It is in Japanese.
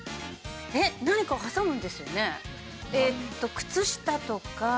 えっ何かを挟むんですよね？